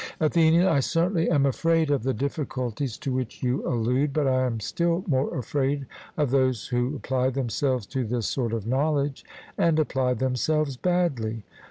ATHENIAN: I certainly am afraid of the difficulties to which you allude, but I am still more afraid of those who apply themselves to this sort of knowledge, and apply themselves badly.